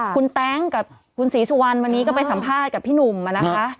คุณแต๊งกับคุณศรีสุวรรณวันนี้ก็ไปสัมภาษณ์กับพี่หนุ่มมานะคะ